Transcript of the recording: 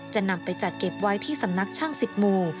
จะนำไปจัดเก็บไว้ที่สำนักช่าง๑๐หมู่